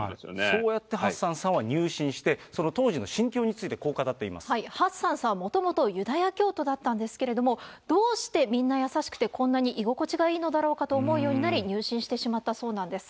そうやってハッサンさんは入信して、その当時の心境についてハッサンさん、もともとユダヤ教徒だったんですけれども、どうしてみんな優しくてこんなに居心地がいいのだろうかと思うようになり、入信してしまったそうなんです。